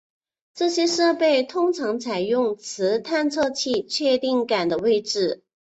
这些设备通常采用磁探测器确定杆的位置。